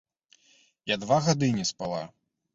Я два гады не спала.